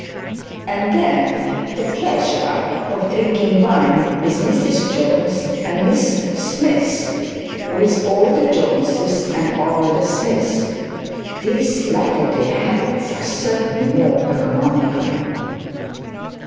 And then the pleasure of drinking wine with Mrs Jones and Miss Smith; with all the Joneses and all the Smiths! These latter day habits are certainly more economical.